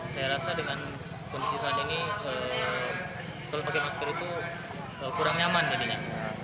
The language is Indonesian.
saya rasa dengan kondisi saat ini selalu pakai masker itu kurang nyaman jadinya